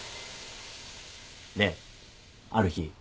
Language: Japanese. である日。